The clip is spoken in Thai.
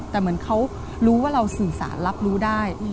แต่เหมือนเขารู้ว่าเราสื่อสารรับรู้ได้